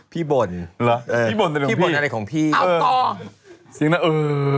พี่บ่นพี่บ่นอะไรของพี่เออสิ่งนั้นเออ